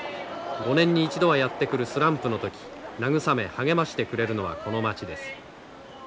５年に１度はやって来るスランプの時慰め励ましてくれるのはこの町です。